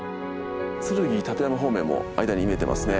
剱・立山方面も間に見えてますね。